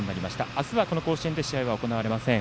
明日は甲子園で試合は行われません。